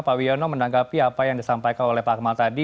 pak wiono menanggapi apa yang disampaikan oleh pak akmal tadi